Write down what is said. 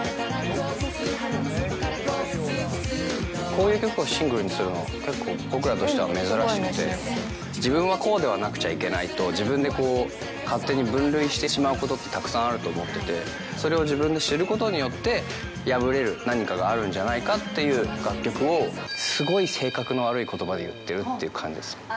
こういう曲をシングルにするのは、結構僕らとしては珍しくて、自分はこうでなくちゃいけないと自分でこう勝手に分類してしまうことって、たくさんあると思ってて、それを自分で知ることによって、破れる何かがあるんじゃないかっていう楽曲を、すごい性格の悪いことばで言ってるっていう感じですね。